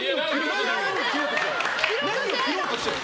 切ろうとしてる！